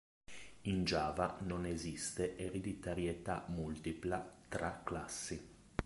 In Java non esiste ereditarietà multipla tra classi.